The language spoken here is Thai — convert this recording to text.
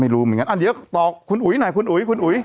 ไม่รู้เหมือนกันเดี๋ยวตอบคุณอุ๋ยหน่อยคุณอุ๋ยคุณอุ๋ย